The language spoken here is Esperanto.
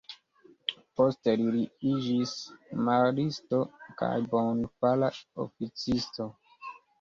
Poste, li iĝis Maristo kaj Bonfara Oficisto.